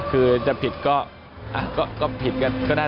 คือจะผิดก็อ่ะก็ผิดก็ได้